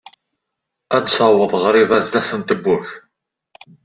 ad d-taweḍ ɣriba sdat n tewwurt.